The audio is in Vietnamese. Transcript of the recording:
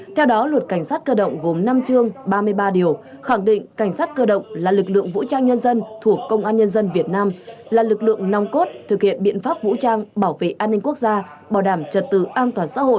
theo đó luật cảnh sát cơ động gồm năm chương ba mươi ba điều khẳng định cảnh sát cơ động là lực lượng vũ trang nhân dân thuộc công an nhân dân việt nam là lực lượng nong cốt thực hiện biện pháp vũ trang bảo vệ an ninh quốc gia bảo đảm trật tự an toàn xã hội